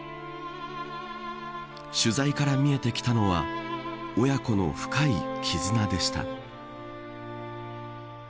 取材から見えてきたのは親子の深い絆でした。